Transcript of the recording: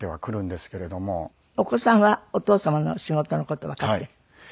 お子さんはお父様のお仕事の事わかっている？